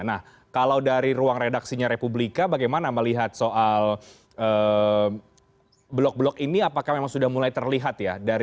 nah kalau dari ruang redaksinya republika bagaimana melihat soal blok blok ini apakah memang sudah mulai terlihat ya